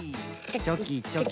チョキチョキ。